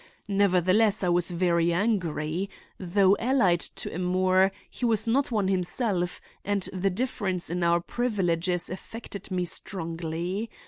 Nevertheless I was very angry. Though allied to a Moore he was not one himself and the difference in our privileges affected me strongly.